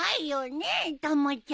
ねえたまちゃん。